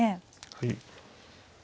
はい。